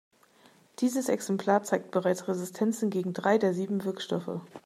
Dieses Exemplar zeigt bereits Resistenzen gegen drei der sieben Wirkstoffe.